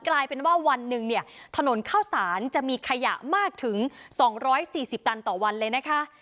กลายเป็นว่าวันหนึ่งเนี่ยถนนข้าวสารจะมีขยะมากถึง๒๔๐ตันต่อวันเลยนะคะ